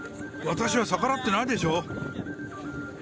私は逆らってないでしょう。